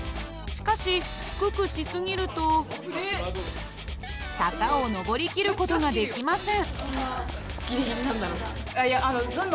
しかし低くし過ぎると坂を上り切る事ができません。